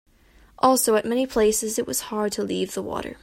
Also, at many places it was hard to leave the water.